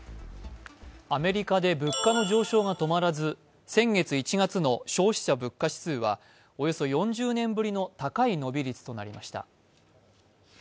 アメリカで物価の上昇が止まらず、先月１月の消費者物価指数はおよそ４０年ぶりの高い伸び率となりました。